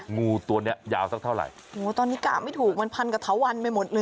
งูตัวเนี้ยยาวสักเท่าไหร่โหตอนนี้กะไม่ถูกมันพันกับเถาวันไปหมดเลย